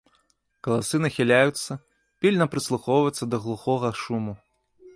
Каласы нахіляюцца, пільна прыслухоўваюцца да глухога шуму.